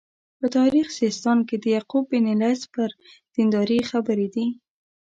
په تاریخ سیستان کې د یعقوب بن لیث پر دینداري خبرې دي.